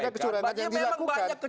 ada kecurangan yang dilakukan